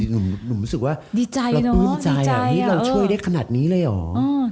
หนุ่มรู้สึกว่าคราบปืนใจนี่เราช่วยได้ขนาดนี้เลยหรอ